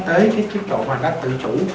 tới cái chức độ mà nó tự chủ